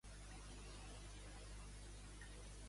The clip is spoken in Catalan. Això inclou Queensland i Nova Gal·les del Sud.